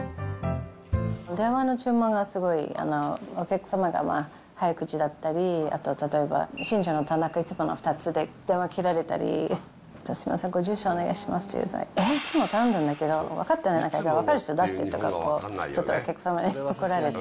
電話の注文がすごい、お客様が早口だったり、あと例えば、近所の田中、いつもの２つで電話切られたり、すみません、ご住所お願いしますというと、えっ、いつも頼んでるんだけど、分かってないなら、分かる人出してとか、ちょっとお客様に怒られて。